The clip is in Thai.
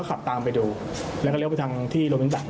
ก็กลับตามไปดูแล้วก็เรียกไปทางที่โรงพิธีศาสตร์